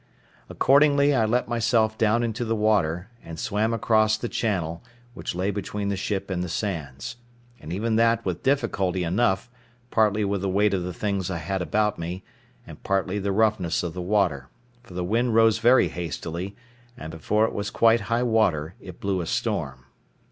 Accordingly, I let myself down into the water, and swam across the channel, which lay between the ship and the sands, and even that with difficulty enough, partly with the weight of the things I had about me, and partly the roughness of the water; for the wind rose very hastily, and before it was quite high water it blew a storm.